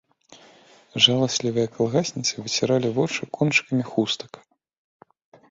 Жаласлівыя калгасніцы выціралі вочы кончыкамі хустак.